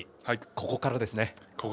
ここからですね。